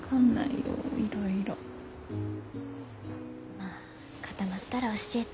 まあ固まったら教えて。